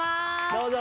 どうぞ。